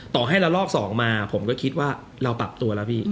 ต่อให้ละลอก๒มาผมก็คิดว่าเราปรับตัวแล้วพี่